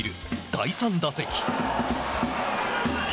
第３打席。